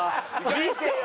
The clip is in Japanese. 見せてよ！